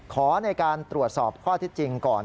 ขอในการตรวจสอบข้อที่จริงก่อน